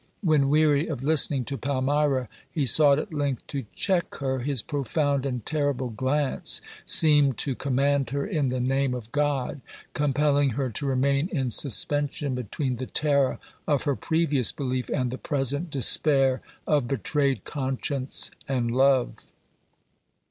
When, weary of listening to Palmyra, he sought at length to check her, his profound and terrible glance seemed to com OBERMANN loi raand her in the name of God, compelling her to remain in suspension between the terror of her previous belief and the present despair of betrayed conscience and love.